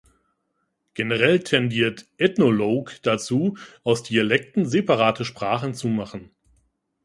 Generell tendiert "Ethnologue" dazu, aus Dialekten separate Sprachen zu machen.